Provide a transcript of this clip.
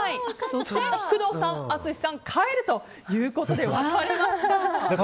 そして、工藤さん、淳さん帰るということで分かれました。